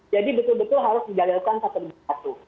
jadi betul betul harus didalilkan satu demi satu